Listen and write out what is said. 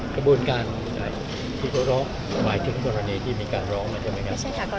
กระบวนการที่เขาร้องหมายถึงกรณีที่มีการร้องมาใช่ไหมครับ